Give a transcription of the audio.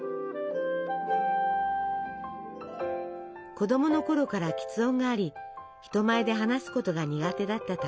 子供のころからきつ音があり人前で話すことが苦手だった高山さん。